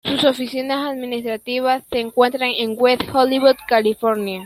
Sus oficinas administrativas se encuentran en West Hollywood, California.